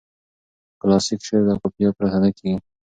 کلاسیک شعر له قافیه پرته نه کیږي.